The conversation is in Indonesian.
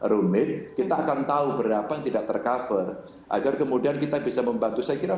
rumit kita akan tahu berapa yang tidak tercover agar kemudian kita bisa membantu saya kira